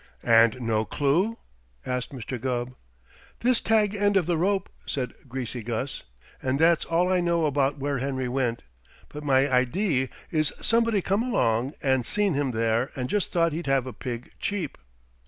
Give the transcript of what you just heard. "And no clue?" asked Mr. Gubb. "This tag end of the rope," said Greasy Gus. "And that's all I know about where Henry went, but my idee is somebody come along and seen him there and just thought he'd have a pig cheap."